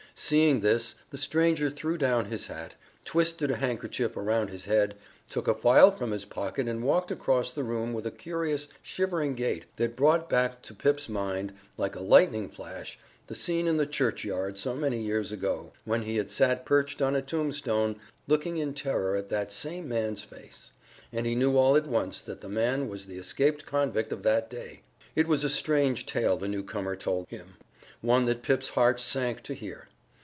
Seeing this, the stranger threw down his hat, twisted a handkerchief around his head, took a file from his pocket and walked across the room with a curious shivering gait that brought back to Pip's mind, like a lightning flash, the scene in the churchyard so many years ago, when he had sat perched on a tombstone looking in terror at that same man's face. And he knew all at once that the man was the escaped convict of that day! It was a strange tale the new comer told then, one that Pip's heart sank to hear.